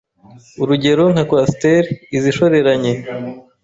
urugero nka ‘Coaster ‘izishoreranye